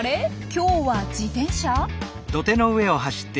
今日は自転車？